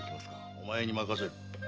お前に任せる。